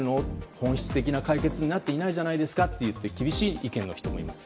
本質的な解決になっていないじゃないですかという厳しい意見の人もいます。